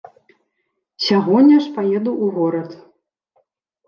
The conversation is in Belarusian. Сягоння ж паеду ў горад.